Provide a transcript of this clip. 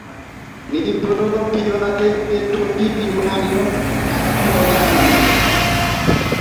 نيٚڀڙو گھوٽ ڪي پيوآ دي پيٽو ڪيٚ بيمآريونٚ کتم هوجآنٚديونٚ هينٚ